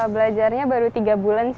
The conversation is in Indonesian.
belajarnya baru tiga bulan